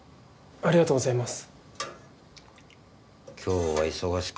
ありがとうございます。